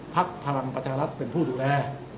พลังประชารัฐเป็นผู้ดูแล